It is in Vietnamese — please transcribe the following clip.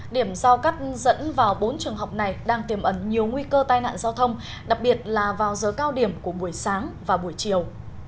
điểm giao cắt dẫn vào bốn trường học này đang tiềm ẩn nhiều nguy cơ tai nạn giao thông đặc biệt là vào giờ cao điểm của buổi sáng và buổi chiều